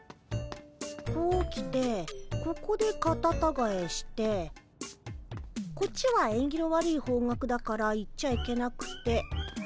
こう来てここでカタタガエしてこっちはえんぎの悪い方角だから行っちゃいけなくて。